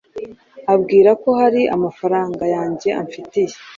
ambwira ko hari amafaranga yanjye amfitiye